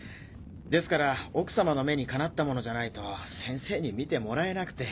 ですから奥様の目にかなった物じゃないと先生に見てもらえなくて。